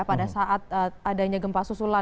pada saat adanya gempa susulan